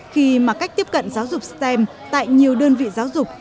khi mà cách tiếp cận giáo dục stem tại nhiều đơn vị giáo dục